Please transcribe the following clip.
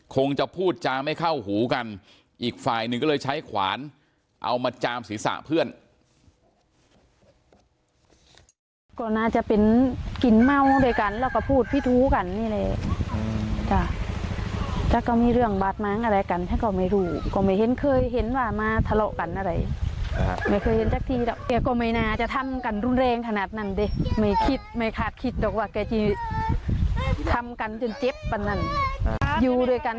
คงจะพูดจาไม่เข้าหูกันอีกฝ่ายหนึ่งก็เลยใช้ขวานเอามาจามศีรษะเพื่อน